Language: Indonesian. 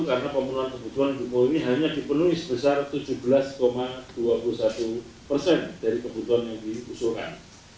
karena pemenuhan kebutuhan di kpu ini hanya dipenuhi sebesar tujuh belas dua puluh satu persen dari kebutuhan yang diusulkan